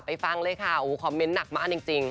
ฟังเลยค่ะคอมเมนต์หนักมากจริง